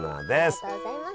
ありがとうございます。